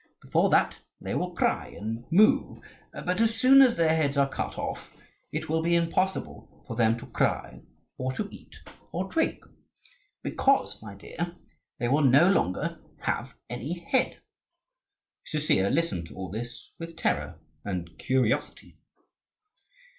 Before that, they will cry and move; but as soon as their heads are cut off, it will be impossible for them to cry, or to eat or drink, because, my dear, they will no longer have any head." Usisya listened to all this with terror and curiosity.